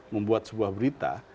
membuat sebuah berita